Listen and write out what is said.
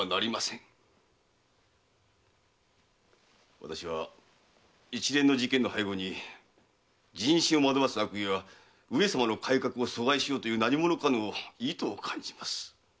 私は一連の事件の背後に人心を惑わす悪意や上様の改革を阻害しようという何者かの意図を感じます。